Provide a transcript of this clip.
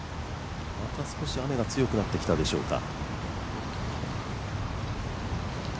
また少し雨が強くなってきたでしょうか。